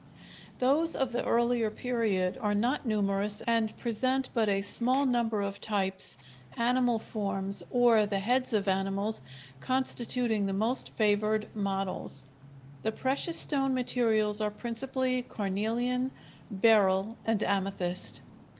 Those of the earlier period are not numerous and present but a small number of types, animal forms or the heads of animals constituting the most favored models. The precious stone materials are principally carnelian, beryl, and amethyst.